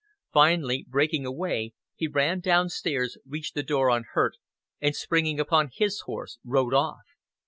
Finally breaking away, he ran downstairs, reached the door unhurt, and springing upon his horse rode off.